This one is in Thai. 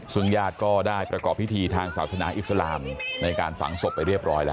ซึ่งญาติก็ได้ประกอบพิธีทางศาสนาอิสลามในการฝังศพไปเรียบร้อยแล้ว